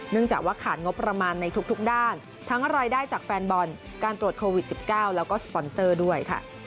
จากว่าขาดงบประมาณในทุกด้านทั้งรายได้จากแฟนบอลการตรวจโควิด๑๙แล้วก็สปอนเซอร์ด้วยค่ะ